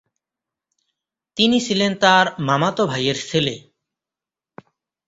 তিনি ছিলেন তার মামাতো ভাইয়ের ছেলে।